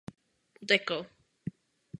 Utekl.